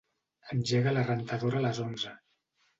Engega la rentadora a les onze.